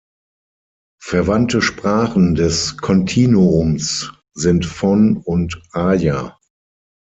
Verwandte Sprachen des Kontinuums sind Fon und Aja.